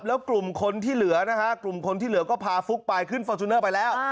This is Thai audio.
แล้วกลุ่มคนที่เหลือนะฮะกลุ่มคนที่เหลือก็พาฟุ๊กไปขึ้นฟอร์จูเนอร์ไปแล้ว